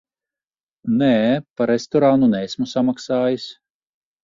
Nē, par restorānu neesmu samaksājis.